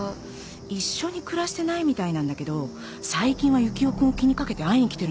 一緒に暮らしてないみたいなんだけど最近はユキオ君を気に掛けて会いに来てるみたい。